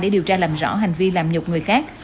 để điều tra làm rõ hành vi làm nhục người khác